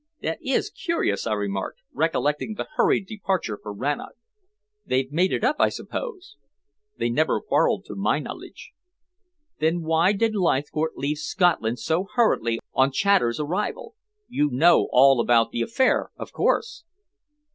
"That is curious," I remarked, recollecting the hurried departure from Rannoch. "They've made it up, I suppose?" "They never quarreled, to my knowledge." "Then why did Leithcourt leave Scotland so hurriedly on Chater's arrival? You know all about the affair, of course?"